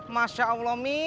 masya allah mi